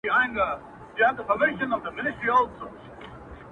ښه دی چي مړ يمه زه ښه دی چي ژوندی نه يمه’